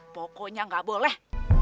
pokoknya gak boleh